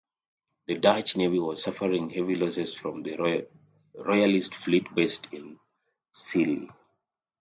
The Dutch Navy was suffering heavy losses from the Royalist fleet based in Scilly.